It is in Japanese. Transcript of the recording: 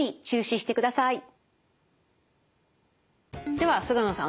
では菅野さん